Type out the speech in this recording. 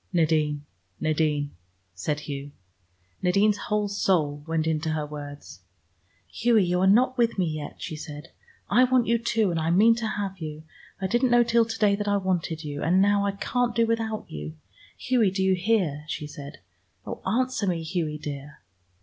"Nadine, Nadine," said Hugh. Nadine's whole soul went into her words. "Hughie, you are not with me yet," she said. "I want you, too, and I mean to have you. I didn't know till to day that I wanted you, and now I can't do without you. Hughie, do you hear?" she said. "Oh, answer me, Hughie dear!"